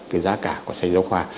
cái giá cả của sách giáo khoa